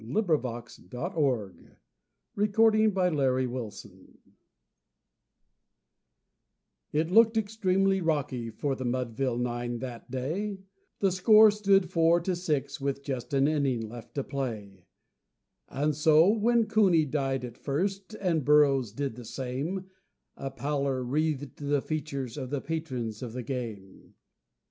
Ralph Waldo Emerson. Casey at the Bat It looked extremely rocky for the Mudville nine that day; The score stood two to four with but an inning left to play; So, when Cooney died at second, and Burrows did the same, A pallor wreathed the features of the patrons of the game.